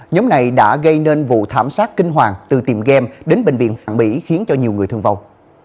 nhóm này đã gây nên vụ thảm sát kinh hoàng từ tiệm game đến bệnh viện hạng bỉ khiến cho nhiều người thương vong